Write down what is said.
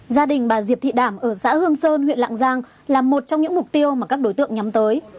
gia đình bà diệp thị đảm ở xã hương sơn huyện lạng giang là một trong những mục tiêu mà các đối tượng nhắm tới